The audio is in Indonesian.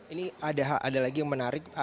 ini ada lagi yang menarik